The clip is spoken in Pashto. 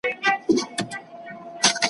موږ له خپل نصیبه له وزر سره راغلي یو ,